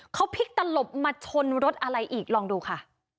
เขาพลิกตลบมาชนรถอะไรอีกลองดูค่ะ